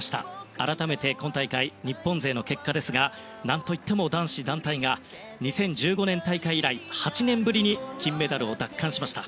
改めて、今大会日本勢の結果ですが何といっても男子団体が２０１５年大会以来８年ぶりに金メダルを奪還しました。